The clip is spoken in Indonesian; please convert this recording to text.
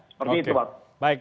seperti itu bang